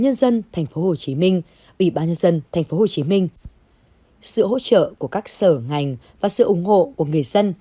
nhân dân tp hcm ủy ban nhân dân tp hcm sự hỗ trợ của các sở ngành và sự ủng hộ của người dân